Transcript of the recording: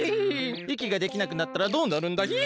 いきができなくなったらどうなるんだヒン？